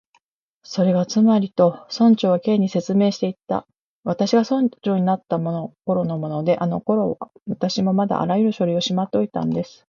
「それがつまり」と、村長は Ｋ に説明していった「私が村長になったころのもので、あのころは私もまだあらゆる書類をしまっておいたんです」